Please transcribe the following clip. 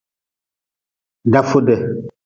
Dafude.